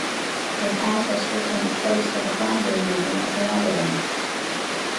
His ancestry can be traced to the Flanders region of The Netherlands.